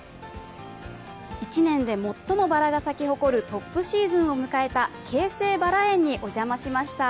一年で最もバラが咲き誇るトップシーズンを迎えた京成バラ園にお邪魔しました。